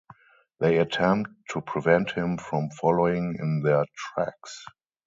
They attempt to prevent him from following in their tracks.